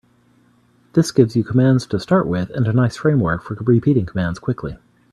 This gives you commands to start with and a nice framework for repeating commands quickly.